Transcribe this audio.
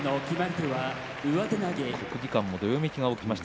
国技館もどよめきが起きました。